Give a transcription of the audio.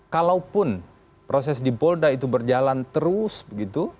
kalaupun proses di polda itu berjalan terus begitu